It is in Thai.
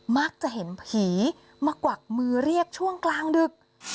มักจะเห็นผีมากวักมือเรียกช่วงกลางดึก